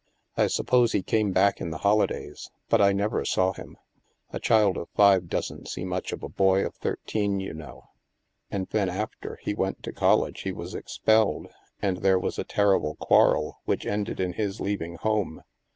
I suppose he came back in the holidays, but I never saw him ; a child of five doesn't see much of a boy of thirteen, you know. And then after he went to college, he was expelled, and there was a terrible quarrel which ended in his leaving home.